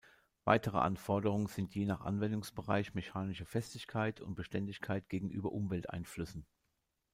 Weitere Anforderung sind je nach Anwendungsbereich mechanische Festigkeit und Beständigkeit gegenüber Umwelteinflüssen.